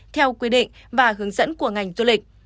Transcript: theo quy định và hướng dẫn của ngành du lịch